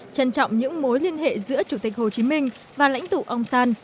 trân trọng những mối liên hệ giữa chủ tịch hồ chí minh và lãnh tụ ông san